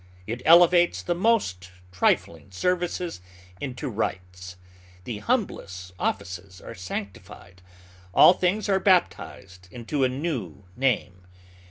It elevates the most trifling services into rites. The humblest offices are sanctified. All things are baptized into a new name.